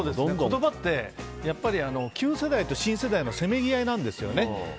言葉ってやっぱり旧世代と新世代のせめぎ合いなんですよね。